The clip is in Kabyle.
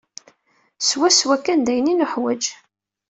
Swaswa kan d ayen i nuḥwaǧ.